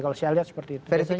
kalau saya lihat seperti itu